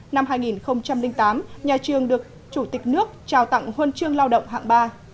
năm hai nghìn tám nhà trường được chủ tịch nước trao tặng huân chương lao động hạng ba